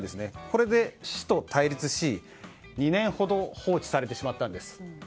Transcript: これで市と対立し２年ほど放置されてしまったんです。